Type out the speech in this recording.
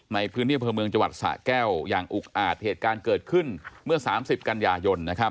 ในพื้นที่อำเภอเมืองจังหวัดสะแก้วอย่างอุกอาจเหตุการณ์เกิดขึ้นเมื่อ๓๐กันยายน